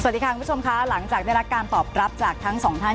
สวัสดีค่ะคุณผู้ชมค่ะหลังจากได้รับการตอบรับจากทั้งสองท่าน